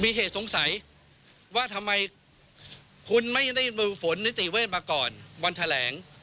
มีเหตุสงสัยว่าทำไมคุณไม่ได้ฝนนิติเวทมาก่อนวันแถลง